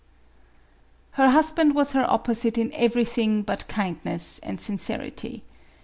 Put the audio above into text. Her husband was her opposite in everything but kindness and sincerity.